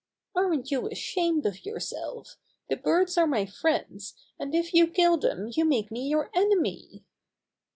"Aren't you ashamed of yourself! The birds are my friends, and if you kill them you make me your enemy."